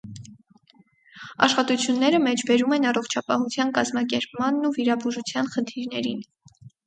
Աշխատությունները մեջբերում են առողջապահության կազմակերպմանն ու վիրաբուժության խնդիրներին։